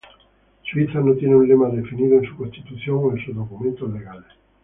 Suiza no tiene un lema definido en su constitución o en sus documentos legales.